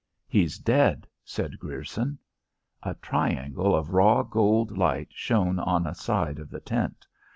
"He's dead," said Grierson. A triangle of raw gold light shone on a side of the tent.